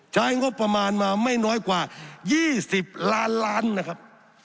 ใช้งบประมาณมาไม่น้อยกว่า๒๐ล้านล้านนะครับ